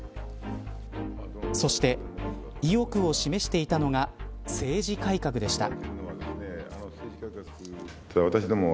そして、意欲を示していたのが政治改革でした。